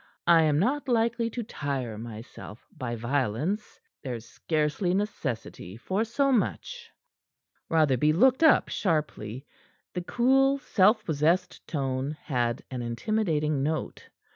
"I am not likely to tire myself by violence. There's scarcely necessity for so much." Rotherby looked up sharply. The cool, self possessed tone had an intimidating note.